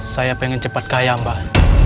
saya pengen cepat kaya mbah